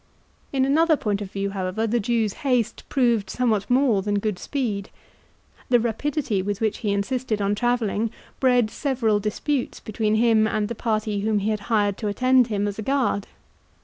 In another point of view, however, the Jew's haste proved somewhat more than good speed. The rapidity with which he insisted on travelling, bred several disputes between him and the party whom he had hired to attend him as a guard.